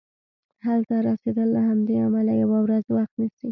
هلته رسیدل له همدې امله یوه ورځ وخت نیسي.